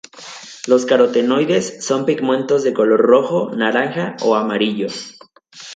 Los carotenoides son pigmentos de color rojo, naranja o amarillo.